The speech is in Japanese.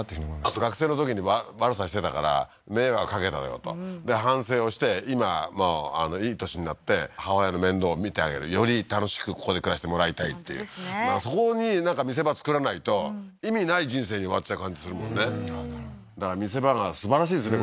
あと学生のときに悪さしてたから迷惑かけたよとで反省をして今いい年になって母親の面倒を見てあげるより楽しくここで暮らしてもらいたいっていうそこになんか見せ場作らないと意味ない人生に終わっちゃう感じするもんねだから見せ場がすばらしいですね